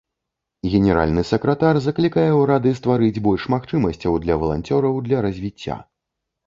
Генеральны сакратар заклікае ўрады стварыць больш магчымасцяў для валанцёраў для развіцця.